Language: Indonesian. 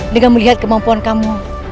dengan melihat kemampuan kamu